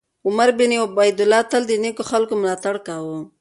عمر بن عبیدالله تل د نېکو خلکو ملاتړ کاوه.